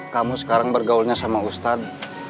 kamu sekarang bergaulnya sama ustadz